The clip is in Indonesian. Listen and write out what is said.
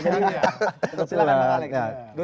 silahkan pak alex